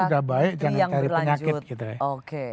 yang sudah baik jangan kari penyakit